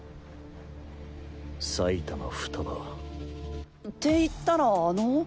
埼玉ふたば。って言ったらあの？